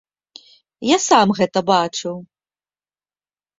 Я сам гэта бачыў.